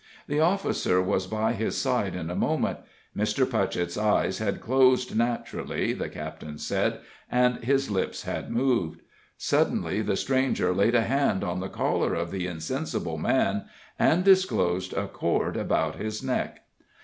The officer was by his side in a moment. Mr. Putchett's eyes had closed naturally, the captain said, and his lips had moved. Suddenly the stranger laid a hand on the collar of the insensible man, and disclosed a cord about his neck.